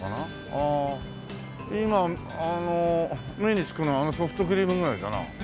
あー今あの目に付くのはあのソフトクリームぐらいだな。